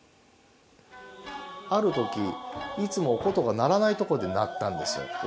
ある時いつもお箏が鳴らないとこで鳴ったんですよ。